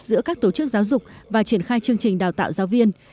giữa các tổ chức giáo dục và triển khai chương trình đào tạo giáo viên